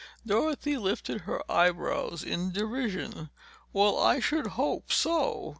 Dorothy lifted her eyebrows in derision. "Well, I should hope so!